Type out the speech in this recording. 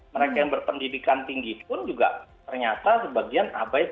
mereka yang berpendidikan tinggi pun juga ternyata sebagian abai